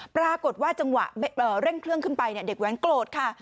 ปรากฏว่าจังหวะเร่งเครื่องขึ้นไปเด็กแว้นโกรธค่ะ